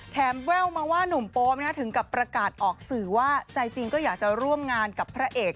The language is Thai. แววมาว่าหนุ่มโปมถึงกับประกาศออกสื่อว่าใจจริงก็อยากจะร่วมงานกับพระเอก